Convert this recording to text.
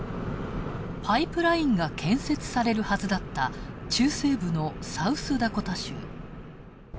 パイプラインが建設されるはずだった中西部のサウスダコタ州。